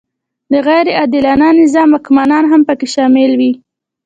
د غیر عادل نظام واکمنان هم پکې شامل وي.